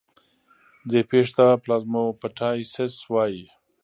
دې پېښې ته پلازموپټایسس وایي.